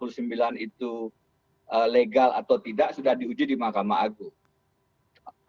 saya katakan bahwa pp sembilan puluh sembilan itu legal atau tidak sudah diuji di mahkamah agung